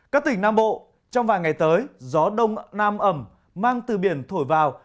các tỉnh nam bộ trong vài ngày tới gió đông nam ẩm mang từ biển thổi vào